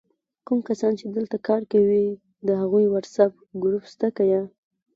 کوم کسان چې دلته کار کوي د هغوي وټس آپ ګروپ سته که یا؟!